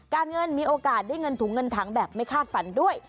เงินมีโอกาสได้เงินถุงเงินถังแบบไม่คาดฝันด้วย